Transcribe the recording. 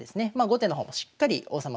後手の方もしっかり王様